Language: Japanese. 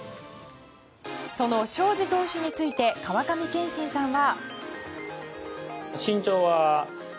その荘司投手について川上憲伸さんは。